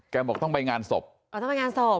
บอกต้องไปงานศพอ๋อต้องไปงานศพ